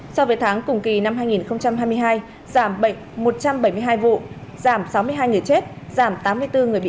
sau về tháng cùng kỳ năm hai nghìn hai mươi hai giảm một trăm bảy mươi hai vụ giảm sáu mươi hai người chết giảm tám mươi người